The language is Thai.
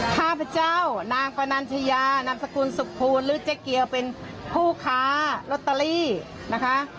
ข้าพเจ้านางปนัญชยานามสกุลสุขภูลหรือเจ๊เกียวเป็นผู้ค้าลอตเตอรี่นะคะ